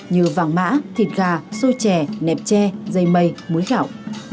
như vàng mã thịt gà xôi chè nẹp tre dây mây muối gạo